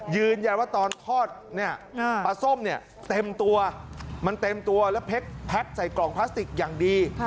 ยืนยันว่าตอนทอดเนี่ยปลาส้มเนี่ยเต็มตัวมันเต็มตัวแล้วแพ็คใส่กล่องพลาสติกอย่างดี